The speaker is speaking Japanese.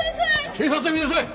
警察呼びなさい！